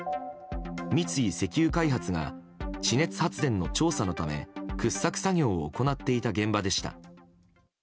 三井石油開発が地熱発電の調査のため掘削作業を行っていた現場でした。